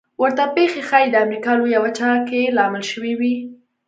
ورته پېښې ښايي د امریکا لویه وچه کې لامل شوې وي.